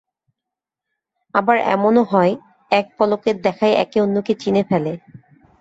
আবার এমনও হয়, এক পলকের দেখায় একে অন্যকে চিনে ফেলে।